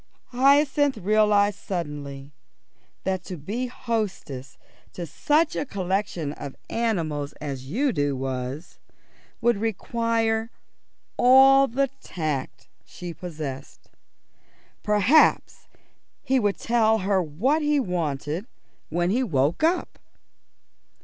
Hyacinth realised suddenly that to be hostess to such a collection of animals as Udo was would require all the tact she possessed. Perhaps he would tell her what he wanted when he woke up.